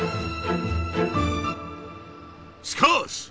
しかし！